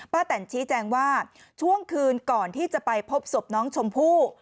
แตนชี้แจงว่าช่วงคืนก่อนที่จะไปพบศพน้องชมพู่